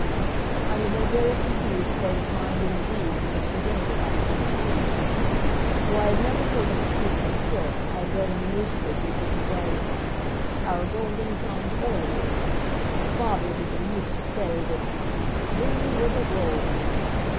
I was in a very confused state of mind indeed when Mr. Dingley got to his feet. Though I had never heard him speak in a court I had read in the newspapers that he was "Our golden tongued orator," and father had been used to say that, "Dingley was a whirlwind."